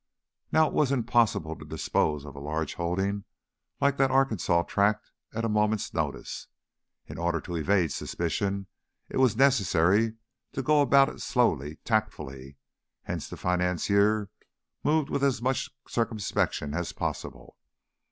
Now it was impossible to dispose of a large holding like that Arkansas tract at a moment's notice. In order to evade suspicion, it was necessary to go about it slowly, tactfully, hence the financier moved with as much circumspection as possible.